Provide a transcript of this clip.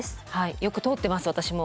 よく通ってます私も。